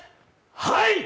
はい！